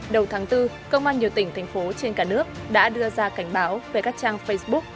đầu tháng bốn công an nhiều tỉnh thành phố trên cả nước đã đưa ra cảnh báo về các trang facebook